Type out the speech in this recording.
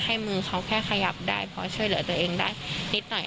มือเขาแค่ขยับได้เพราะช่วยเหลือตัวเองได้นิดหน่อย